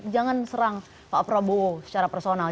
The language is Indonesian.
jangan serang pak prabowo secara personal